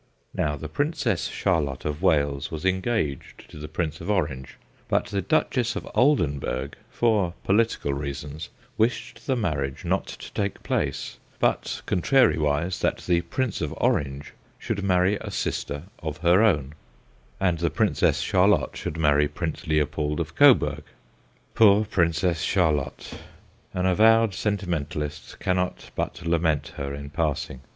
Now the Princess Charlotte of Wales was engaged to the Prince of Orange, but the Duchess of Oldenburg, for political reasons, wished the marriage not to take place, but contrariwise that the Prince of Orange should marry a sister of her own, and the Princess Charlotte should marry Prince Leopold of Coburg. Poor Princess Char lotte ! an avowed sentimentalist cannot but lament her in passing.